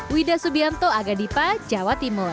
wida subianto agadipa jawa timur